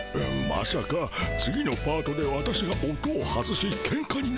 まさか次のパートで私が音を外しケンカになってしまうのでは。